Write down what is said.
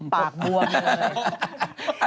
ปากบวมเลย